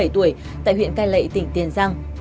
bốn mươi bảy tuổi tại huyện cai lệ tỉnh tiền giang